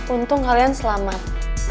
untung kalian selamat